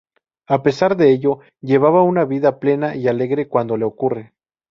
A pesar de ello, llevaba una vida plena y alegre cuando le ocurre.